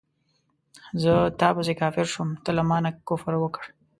زه تا پسې کافر شوم تا له مانه کفر وکړ